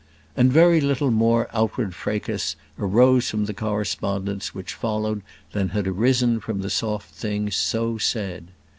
And very little more outward fracas arose from the correspondence which followed than had arisen from the soft things so said.